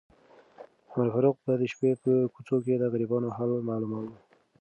عمر فاروق به د شپې په کوڅو کې د غریبانو حال معلوماوه.